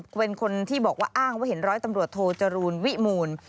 เป็นคนที่บอกว่าอ้างว่าเห็นร้อยตำรวจโทจรูลวิมูล